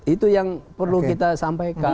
itu yang perlu kita sampaikan